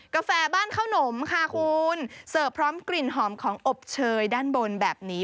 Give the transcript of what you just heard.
แฟบ้านข้าวหนมค่ะคุณเสิร์ฟพร้อมกลิ่นหอมของอบเชยด้านบนแบบนี้